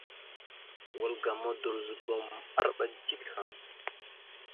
Wal ga Modorəzobom arɓa dik haŋ.